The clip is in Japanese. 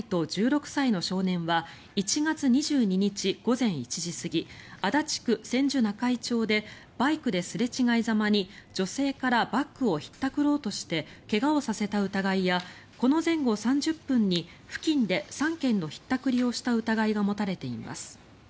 無職の１５歳と１６歳の少年は１月２２日午前１時過ぎ足立区千住中居町でバイクですれ違いざまに女性からバッグをひったくろうとして怪我をさせた疑いやこの前後３０分に付近で３件のひったくりをした疑いが持たれています。